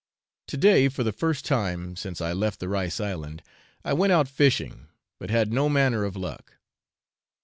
To day, for the first time since I left the Rice Island, I went out fishing, but had no manner of luck.